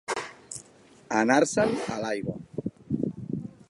Anar-se'n a l'aigua.